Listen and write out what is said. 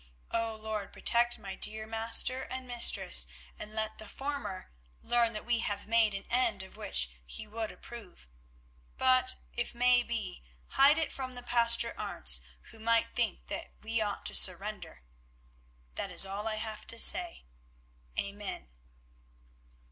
O Lord, protect my dear master and mistress, and let the former learn that we have made an end of which he would approve, but if may be, hide it from the Paster Arentz, who might think that we ought to surrender. That is all I have to say. Amen."